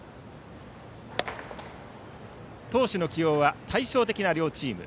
投手の起用は対照的な両チーム。